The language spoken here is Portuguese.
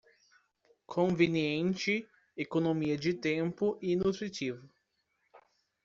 Conveniente, economia de tempo e nutritivo